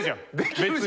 別に。